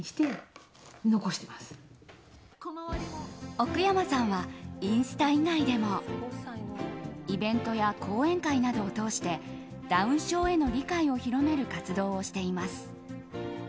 奥山さんはインスタ以外でもイベントや講演会などを通してダウン症への理解を広める活動をしています。